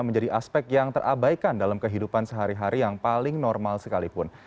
menjadi aspek yang terabaikan dalam kehidupan sehari hari yang paling normal sekalipun